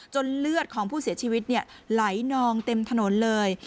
เลือดของผู้เสียชีวิตไหลนองเต็มถนนเลย